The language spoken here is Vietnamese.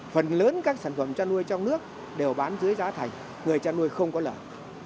phần lớn các sản phẩm chăn nuôi trong nước đều bán dưới giá thành người chăn nuôi không có lợi